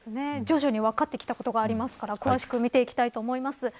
徐々に分かってきたことがありますから、詳しく見ていきたいと思います。